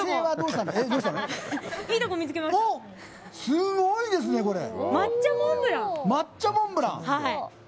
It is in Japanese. すごいですね、これ！